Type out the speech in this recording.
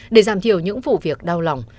để giảm thiểu những vụ việc đau lòng